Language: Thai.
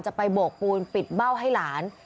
ไปโบกปูนปิดเบ้าให้หลาน